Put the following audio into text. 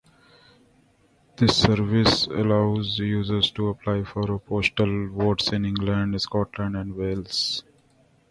This service allows users to apply for postal votes in England, Scotland and Wales.